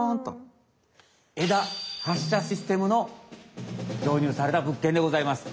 枝発射システムのどうにゅうされた物件でございます。